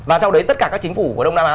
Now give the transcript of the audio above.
và sau đấy tất cả các chính phủ của đông nam á